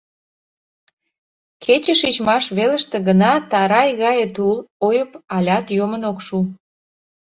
Кече шичмаш велыште гына тарай гае тул ойып алят йомын ок шу.